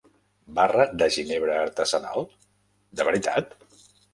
Barra de ginebra artesanal, de veritat?